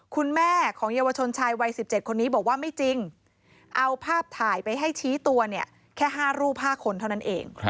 คุณแม่ของเยาวชนชายวัย๑๗คนนี้บอกว่าไม่จริงเอาภาพถ่ายไปให้ชี้ตัวเนี่ยแค่๕รูป๕คนเท่านั้นเอง